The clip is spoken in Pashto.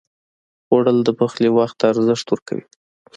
خوړل د پخلي وخت ته ارزښت ورکوي